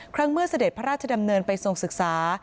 เมื่อเสด็จพระราชดำเนินไปทรงศึกษา